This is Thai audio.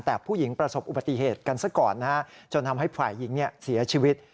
แต่ผู้หญิงประสบอุบัติเหตุกันซะก่อนนะฮะจนทำให้ฝ่ายหญิงเสียชีวิต